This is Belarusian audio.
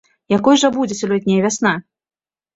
Якой жа будзе сёлетняя вясна?